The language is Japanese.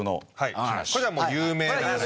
これはもう有名な。